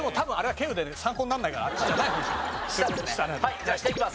じゃあ下いきます。